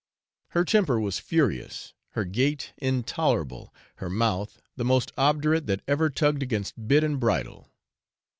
Her temper was furious, her gait intolerable, her mouth, the most obdurate that ever tugged against bit and bridle.